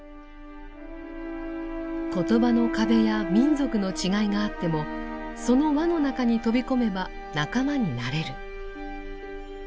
言葉の壁や民族の違いがあってもその輪の中に飛び込めば仲間になれる。